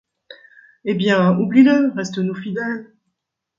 Eh bien! oublie-le, reste-nous fidèle.